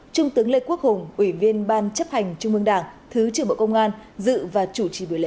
trung tướng lê quốc hùng ủy viên ban chấp hành trung ương đảng thứ trưởng bộ công an dự và chủ trì buổi lễ